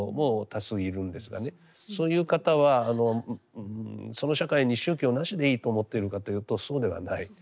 そういう方はその社会に宗教なしでいいと思っているかというとそうではない。